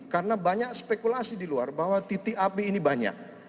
karena banyak spekulasi di luar bahwa titik api ini banyak